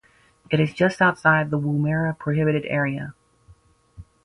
It is just outside the Woomera Prohibited Area.